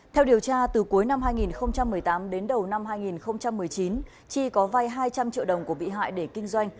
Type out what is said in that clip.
theo điều tra từ cuối năm hai nghìn một mươi tám đến đầu năm hai nghìn một mươi chín chi có vai hai trăm linh triệu đồng của bị hại để kinh doanh